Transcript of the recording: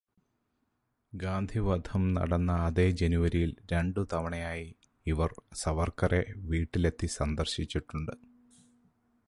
ഗാന്ധി വധം നടന്ന അതേ ജനുവരിയിൽ രണ്ടു തവണയായി ഇവർ സവർക്കറെ വീട്ടിലെത്തി സന്ദർശിച്ചിട്ടുണ്ട്.